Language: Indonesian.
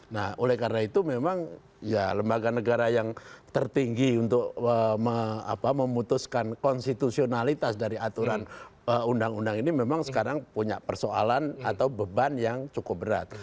nah oleh karena itu memang ya lembaga negara yang tertinggi untuk memutuskan konstitusionalitas dari aturan undang undang ini memang sekarang punya persoalan atau beban yang cukup berat